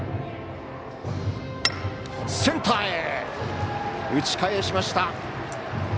センターへ打ち返しました。